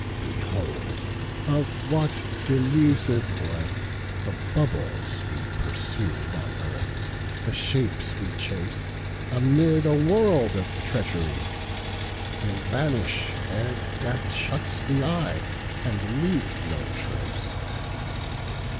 Behold of what delusive worthThe bubbles we pursue on earth, The shapes we chaseAmid a world of treachery! They vanish ere death shuts the eye, And leave no trace.